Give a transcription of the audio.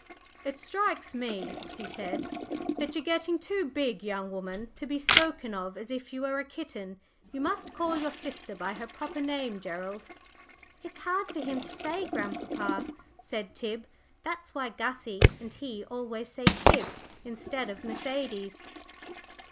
"It strikes me," he said, "that you're getting too big, young woman, to be spoken of as if you were a kitten. You must call your sister by her proper name, Gerald." "It's hard for him to say, grandpapa," said Tib. "That's why Gussie and he always say Tib, instead of Mercedes."